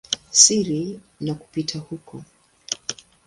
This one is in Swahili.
siri na kupita huko.